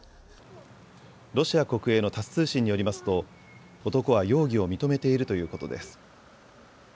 ロシア国営のタス通信によりますと男は容疑を認めているということです。